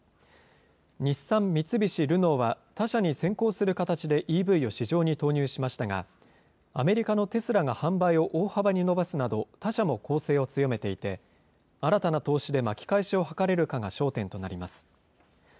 日産、三菱、ルノーは他社に先行する形でＥＶを市場に投入しましたが、アメリカのテスラが販売を大幅に伸ばすなど、他社も攻勢を強めていて、新たな投資で巻き返しを図れるかが焦点となります。